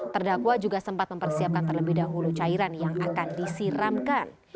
terdakwa juga sempat mempersiapkan terlebih dahulu cairan yang akan disiramkan